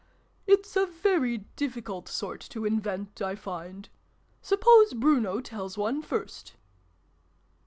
" It's a very difficult sort to invent, I find. Suppose Bruno tells one, first."